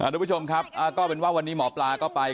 ทุกผู้ชมครับวันนี้หมอปราก็ไป